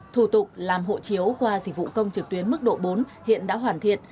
thủ tục làm hộ chiếu qua dịch vụ công trực tuyến mức độ bốn hiện đã hoàn thiện